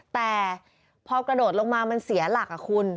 แต่พอกระโดดลงมามันเสียหลักคุณ